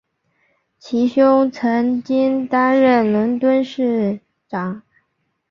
其兄曾经担任伦敦市长。